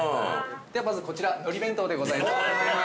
では、まずこちら、のり弁当でございます。